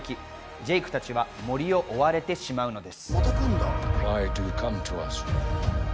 ジェイクたちは森を追われてしまうのです。